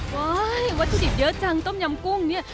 ว้ายวัตถุดิบเยอะจังต้มยำกุ้งเนี่ย